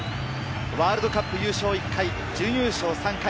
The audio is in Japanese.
ワールドカップ優勝１回、準優勝３回。